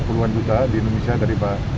puluhan juta di indonesia tadi pak